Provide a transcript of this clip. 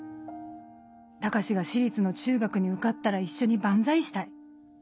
「高志が私立の中学に受かったら一緒に万歳したい。